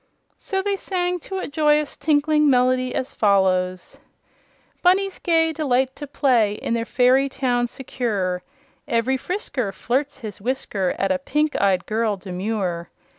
So they sang to a joyous, tinkling melody as follows: "Bunnies gay Delight to play In their fairy town secure; Ev'ry frisker Flirts his whisker At a pink eyed girl demure.